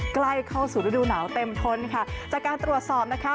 ใกล้เข้าสู่ฤดูหนาวเต็มทนค่ะจากการตรวจสอบนะคะ